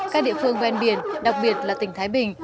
các địa phương ven biển đặc biệt là tỉnh thái bình